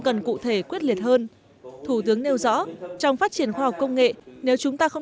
cần cụ thể quyết liệt hơn thủ tướng nêu rõ trong phát triển khoa học công nghệ nếu chúng ta không